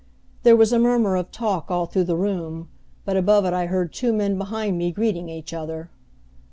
There was a murmur of talk all through the room, but above it I heard two men behind me greeting each other.